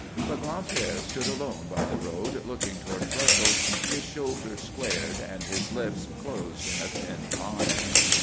But Gran'père stood alone by the road, looking toward Brussels, his shoulders squared and his lips closed in a thin line.